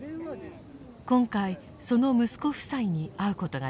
今回その息子夫妻に会うことができました。